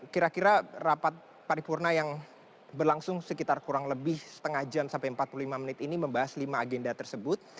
kira kira rapat paripurna yang berlangsung sekitar kurang lebih setengah jam sampai empat puluh lima menit ini membahas lima agenda tersebut